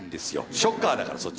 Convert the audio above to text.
ショッカーだからそっち。